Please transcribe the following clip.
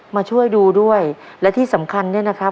มาช่วยดูด้วยและที่สำคัญเนี่ยนะครับ